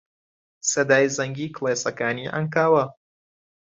سەدای زەنگی کڵێسەکانی عەنکاوە